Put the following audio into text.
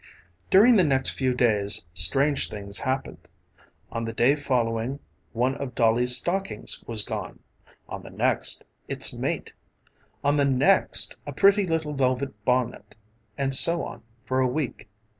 During the next few days strange things happened. On the day following one of Dolly's stockings was gone, on the next, its mate; on the next a pretty little velvet bonnet, and so on for a week.